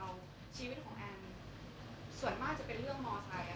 อ๋อแอนพูดพูดไม่ใช่พูดเรื่อยแอนพูดแต่ว่าไม่ได้ออกมาพูดตลอดตอบโต้ทุกคำถาม